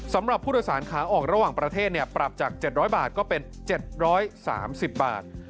สำหรับผู้โดยสารขาออกระหว่างประเทศปรับจาก๗๐๐บาทก็เป็น๗๓๐บาท